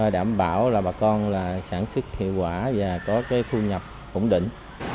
đảm bảo là bà con sản xuất hiệu quả và có cái thu nhập ổn định